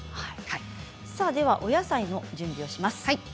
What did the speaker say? お野菜の準備をします。